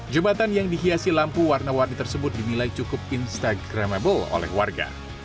jembatan yang dihiasi lampu warna warni tersebut dinilai cukup instagramable oleh warga